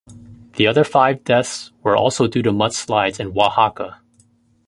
The other five deaths were also due to mudslides in Oaxaca.